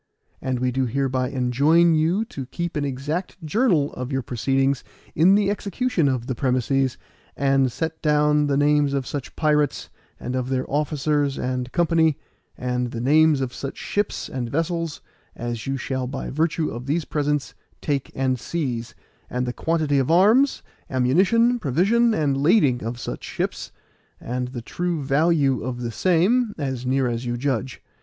And we do hereby enjoin you to keep an exact journal of your proceedings in the execution of the premisses, and set down the names of such pirates, and of their officers and company, and the names of such ships and vessels as you shall by virtue of these presents take and seize, and the quantities of arms, ammunition, provision, and lading of such ships, and the true value of the same, as near as you judge.